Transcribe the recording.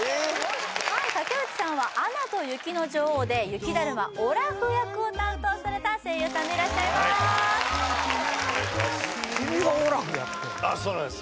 はい武内さんは「アナと雪の女王」で雪だるまオラフ役を担当された声優さんでいらっしゃいますはいお願いしますそうなんです